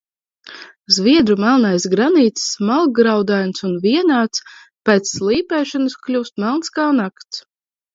Zviedru melnais granīts, smalkgraudains un vienāds, pēc slīpēšanas kļūst melns kā nakts.